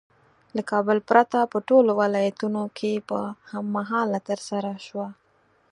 له کابل پرته په ټولو ولایتونو کې په هم مهاله ترسره شوه.